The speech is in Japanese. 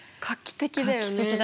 画期的だよね。